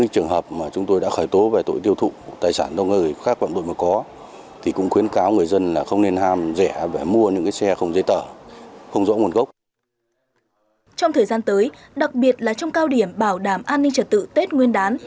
trong thời gian tới đặc biệt là trong cao điểm bảo đảm an ninh trật tự tết nguyên đán